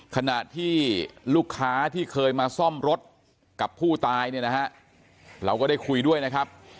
ขณะที่ลูกค้าที่เคยมาซ่อมรถกับผู้ตายเนี่ยนะฮะเราก็ได้คุยด้วยนะครับ